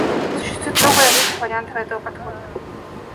Существует много различных вариантов этого подхода.